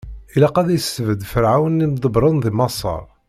Ilaq ad isbedd Ferɛun imḍebbren di Maṣer;